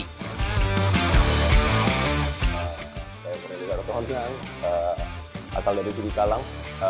saya pria dikarut mohon senang asal dari budi kalang